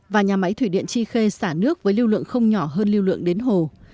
và nhà máy thủy điện tri khê xả nước với lưu lượng không nhỏ hơn lưu lượng đến hồ